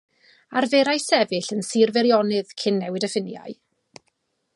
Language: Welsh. Arferai sefyll yn Sir Feirionnydd cyn newid y ffiniau.